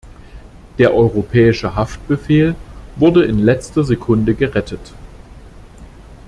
Der Europäische Haftbefehl wurde in letzter Sekunde gerettet.